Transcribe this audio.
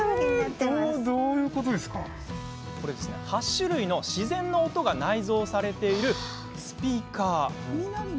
８種類の自然の音が内蔵されているスピーカー。